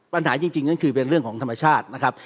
ปัญหาจริงก็คือเป็นเรื่องของธรรมชาตินะครับ